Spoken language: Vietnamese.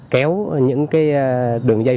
kéo những cái đường dây